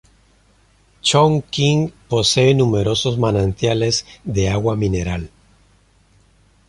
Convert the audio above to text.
Chongqing posee numerosos manantiales de agua mineral.